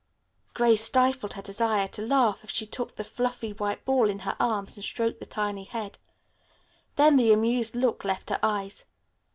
Grace stifled her desire to laugh as she took the fluffy white ball in her arms and stroked the tiny head. Then the amused look left her eyes.